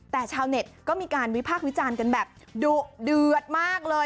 แต่ชาวเน็ตก็มีการวิพากษ์วิจารณ์กันแบบดุเดือดมากเลย